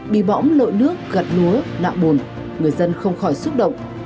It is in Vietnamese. bị bõng lội nước gạt lúa nạo buồn người dân không khỏi xúc động